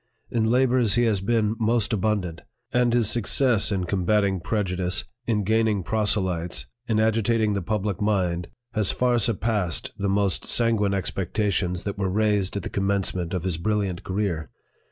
In labors he has been most abundant ; and his success in combating prejudice, in gaining proselytes, in agi tating the public mind, has far surpassed the most san guine expectations that were raised at the commence ment of his brilliant career.